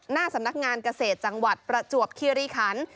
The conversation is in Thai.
หน้าสำนักงานเกษตรจังหวัดประจวบคิริคัน